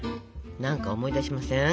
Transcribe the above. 何か思い出しません？